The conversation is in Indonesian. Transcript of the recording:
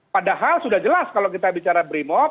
padahal sudah jelas kalau kita bicara brimop